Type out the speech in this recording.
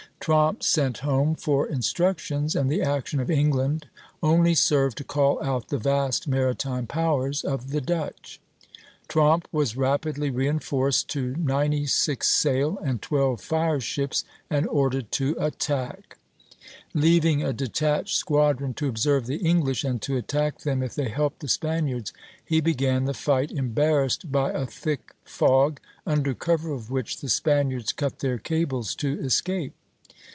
Tromp sent home for instructions, and the action of England only served to call out the vast maritime powers of the Dutch. Tromp was rapidly reinforced to ninety six sail and twelve fire ships, and ordered to attack. Leaving a detached squadron to observe the English, and to attack them if they helped the Spaniards, he began the fight embarrassed by a thick fog, under cover of which the Spaniards cut their cables to escape.